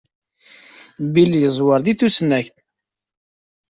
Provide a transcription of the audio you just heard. Bill yeẓwer di tusnakt.